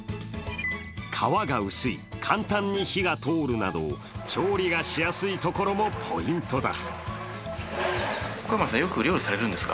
皮が薄い、簡単に火が通るなど、調理がしやすいところもポイントだ。